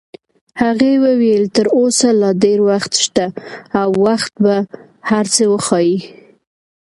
هغې وویل: تر اوسه لا ډېر وخت شته او وخت به هر څه وښایي.